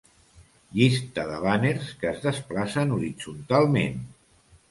Llistes de bàners que es desplacen horitzontalment.